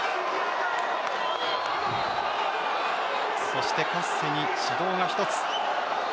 そしてカッセに指導が１つ。